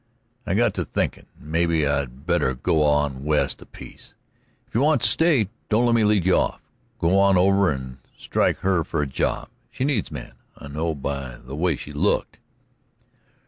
"I got to thinkin' maybe I'd better go on west a piece. If you want to stay, don't let me lead you off. Go on over and strike her for a job; she needs men, I know, by the way she looked."